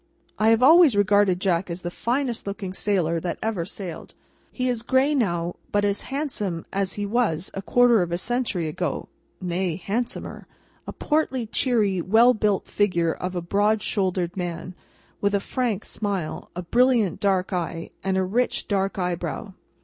I have always regarded Jack as the finest looking sailor that ever sailed. He is gray now, but as handsome as he was a quarter of a century ago—nay, handsomer. A portly, cheery, well built figure of a broad shouldered man, with a frank smile, a brilliant dark eye, and a rich dark eyebrow.